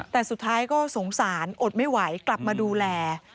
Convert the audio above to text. แต่สุดท้ายก็สงสารอดไม่ไหวกลับมาดูแล